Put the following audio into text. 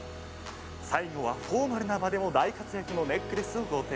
最後はフォーマルな場でも大活躍のネックレスを、ご提案。